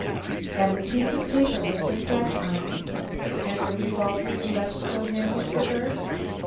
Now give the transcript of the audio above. "And the piece of paper with the threat on it? and the revolver you left so handy for her?